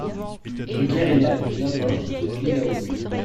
Drucker est né à Napa, dans l'Idaho.